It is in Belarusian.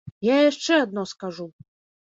Я яшчэ адно скажу.